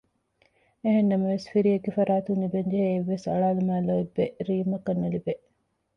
އެހެން ނަމަވެސް ފިރިއެއްގެ ފަރާތުން ލިބެންޖެހޭ އެއްވެސް އަޅާލުމާއި ލޯތްބެއް ރީމްއަކަށް ނުލިބޭ